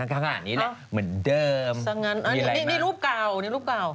แจ้งหมดทุกอย่างแล้ว